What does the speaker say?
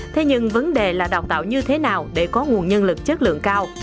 thế nhưng vấn đề là đào tạo như thế nào để có nguồn nhân lực chất lượng cao